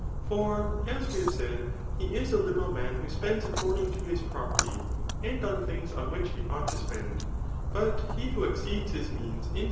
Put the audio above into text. For as we have said, he is a liberal man who spends according to his property, and on thmgs on which he ought to spend ; but he who exceeds [hk means^ in Digitized by Google CMAP.